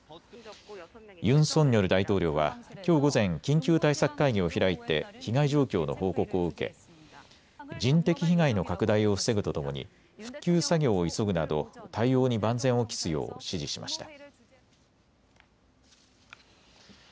ユン・ソンニョル大統領はきょう午前、緊急対策会議を開いて被害状況の報告を受け人的被害の拡大を防ぐとともに復旧作業を急ぐなど対応に万全を期すよう指示しました。